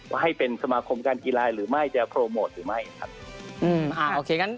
ว่าให้เป็นสมาคมการกีฬาหรือไม่จะโปรโมทหรือไม่ครับ